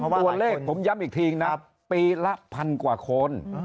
ตัวเลขผมย้ำอีกทีนะปีละพันกว่าคน